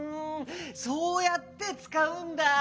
そうやってつかうんだ。